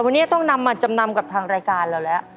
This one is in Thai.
วันนี้ต้องนำมาจำนำกับทางรายการเราแล้ว